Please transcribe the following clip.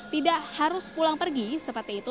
tidak harus pulang pergi seperti itu